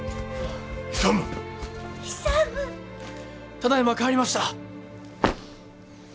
ただいま帰りました。